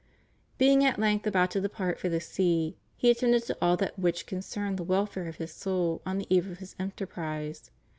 Being at length about to depart for the sea, he attended to all that which concerned the wel fare of his soul on the eve of his enterprise.